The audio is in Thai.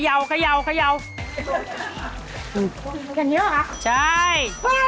อย่างนี้เหรอคะไปใช่